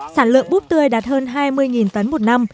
sản lượng búp tươi đạt hơn hai mươi tấn một năm